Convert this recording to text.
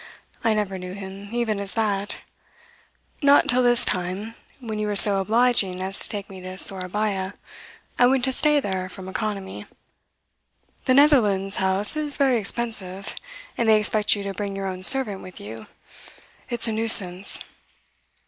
"I never knew him even as that not till this time, when you were so obliging as to take me to Sourabaya, I went to stay there from economy. The Netherlands House is very expensive, and they expect you to bring your own servant with you. It's a nuisance."